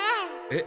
え？